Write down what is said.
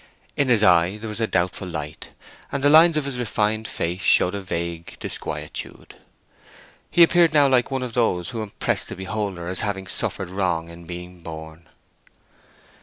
In his eye there was a doubtful light, and the lines of his refined face showed a vague disquietude. He appeared now like one of those who impress the beholder as having suffered wrong in being born.